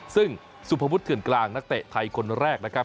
ซึ่งสุภวุฒิเถื่อนกลางนักเตะไทยคนแรกนะครับ